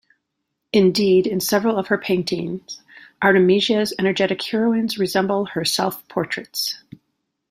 Indeed, in several of her paintings, Artemisia's energetic heroines resemble her self-portraits.